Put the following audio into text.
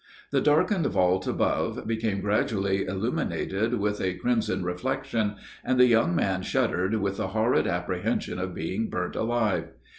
The darkened vault above became gradually illuminated with a crimson reflection, and the young man shuddered with the horrid apprehension of being burnt alive!